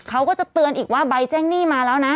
เขาก็จะเตือนอีกว่าใบแจ้งหนี้มาแล้วนะ